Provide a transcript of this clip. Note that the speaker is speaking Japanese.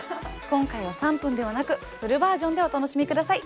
今回は３分ではなくフルバージョンでお楽しみ下さい。